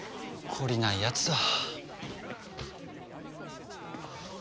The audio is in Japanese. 懲りないやつだ。